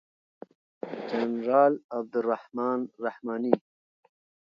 جنرال عبدالرحمن رحماني